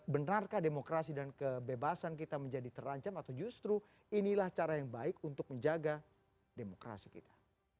benarkah demokrasi dan kebebasan kita menjadi terancam atau justru inilah cara yang baik untuk menjaga demokrasi kita